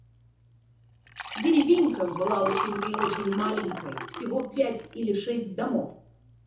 Деревенька была очень и очень маленькой, всего пять или шесть домов.